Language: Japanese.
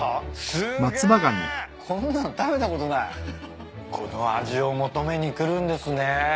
「こんなん食べたことない」「この味を求めに来るんですね」